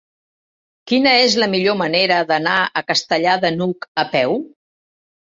Quina és la millor manera d'anar a Castellar de n'Hug a peu?